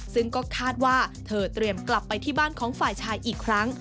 ซึ่งก็คาดว่าเธอเตรียมกลับไปที่บ้านของฝ่ายชายอีกครั้ง